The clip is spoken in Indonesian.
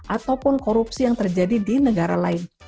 ataupun korupsi yang terjadi di negara lain